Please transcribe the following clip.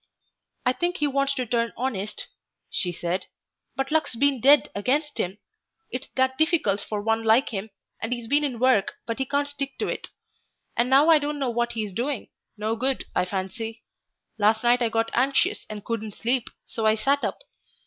"I think he wants to turn honest," she said, "but luck's been dead against him.... It's that difficult for one like him, and he's been in work, but he can't stick to it; and now I don't know what he's doing no good, I fancy. Last night I got anxious and couldn't sleep, so I sat up.